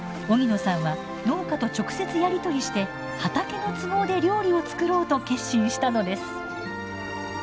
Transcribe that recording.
荻野さんは農家と直接やり取りして畑の都合で料理を作ろうと決心したのです。